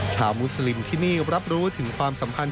ชาวมุสลิมที่นี่รับรู้ถึงความสัมพันธ